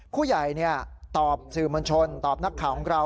ผู้ใหญ่ตอบสื่อมวลชนตอบนักข่าวของเรา